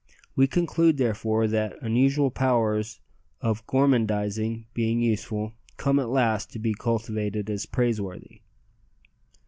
We conclude therefore that unusual powers of gormandizing, being useful, come at last to be cultivated as praiseworthy.